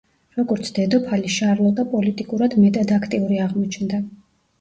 როგორც დედოფალი, შარლოტა პოლიტიკურად მეტად აქტიური აღმოჩნდა.